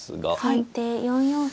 先手４四歩。